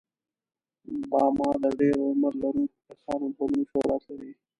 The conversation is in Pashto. باما د ډېر عمر لرونکو کسانو په نوم شهرت لري.